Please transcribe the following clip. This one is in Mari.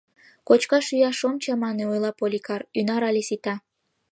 — Кочкаш-йӱаш ом чамане, — ойла Поликар, — ӱнар але сита.